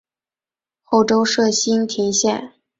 后周设莘亭县。